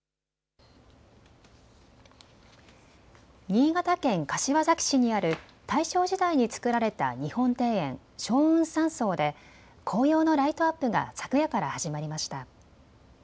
新潟県柏崎市にある大正時代に造られた日本庭園、松雲山荘で紅葉のライトアップが昨夜から始まりました。